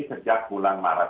sejak bulan maret